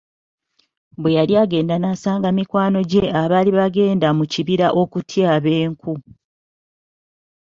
Bwe yali agenda n'asanga mikwano gye abaali bagenda mu kibira okutyaba enku.